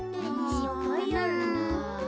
いっぱいあるな。